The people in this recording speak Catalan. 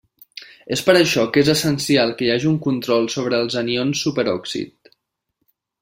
És per això que és essencial que hi hagi un control sobre els anions superòxid.